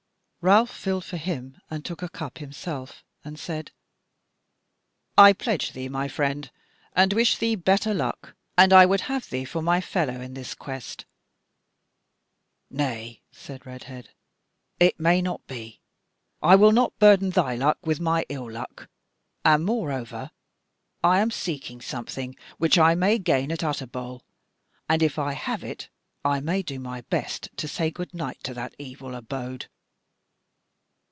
Ralph filled for him and took a cup himself, and said: "I pledge thee, friend, and wish thee better luck; and I would have thee for my fellow in this quest." "Nay," said Redhead, "it may not be: I will not burden thy luck with my ill luck...and moreover I am seeking something which I may gain at Utterbol, and if I have it, I may do my best to say good night to that evil abode."